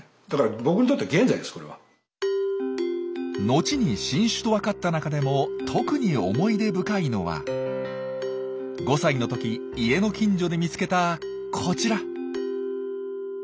後に新種と分かった中でも特に思い出深いのは５歳のとき家の近所で見つけたこちら。